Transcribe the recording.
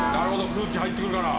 空気入ってくるから。